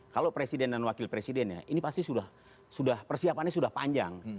kalau presiden dan wakil presiden ya ini pasti sudah persiapannya sudah panjang